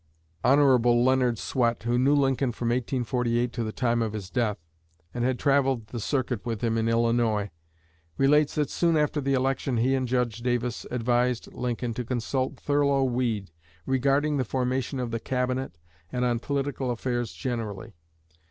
Hon. Leonard Swett, who knew Lincoln from 1848 to the time of his death, and had "traveled the circuit" with him in Illinois, relates that soon after the election he and Judge Davis advised Lincoln to consult Thurlow Weed regarding the formation of the Cabinet and on political affairs generally.